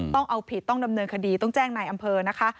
ต้องเอาผิดต้องดำเนินคดีต้องแจ้งในอำเภอนะคะ